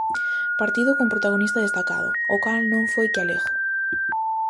Partido cun protagonista destacado, o cal non foi que Alejo.